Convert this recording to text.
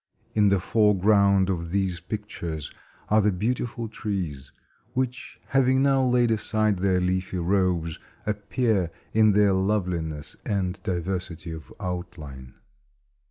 In the foreground of these pictures are the beautiful trees, which, having now laid aside their leafy robes, appear in their loveliness and diversity of outline.